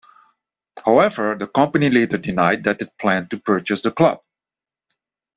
However, the company later denied that it planned to purchase the club.